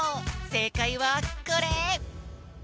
せいかいはこれ！